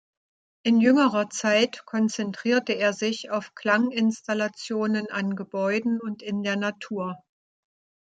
In jüngerer Zeit konzentrierte er sich auf Klanginstallationen an Gebäuden und in der Natur.